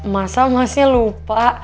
masa emasnya lupa